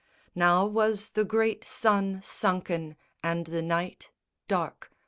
Now was the great sun sunken and the night Dark.